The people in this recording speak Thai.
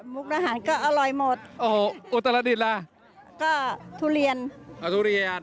มุกอาหารก็อร่อยหมดโอ้โหอุตรดิษฐ์ล่ะก็ทุเรียนเอาทุเรียน